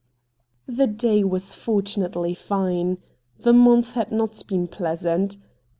The day was fortunately fine. The month had not been pleasant.